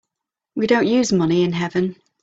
We don't use money in heaven.